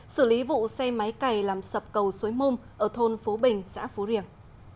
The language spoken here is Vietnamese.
xử lý vụ xe máy cày làm sập cầu xối môm ở thôn phú bình xã phú riềng